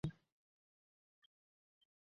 مور د ناروغۍ مخه نیسي.